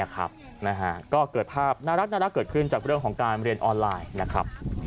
ก็เกิดภาพน่ารักเกิดขึ้นจากเรื่องของการเรียนออนไลน์นะครับ